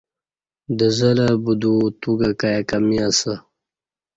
دزلہ بدوو توکہ کای کمی اسہ